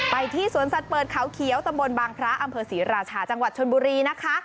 ที่สวนสัตว์เปิดเขาเขียวตำบลบางพระอำเภอศรีราชาจังหวัดชนบุรีนะคะ